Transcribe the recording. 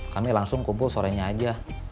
kami langsung kumpul sorenya aja